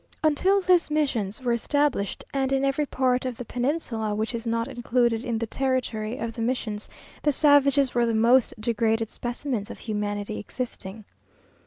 Until these missions were established, and in every part of the peninsula which is not included in the territory of the missions, the savages were the most degraded specimens of humanity existing.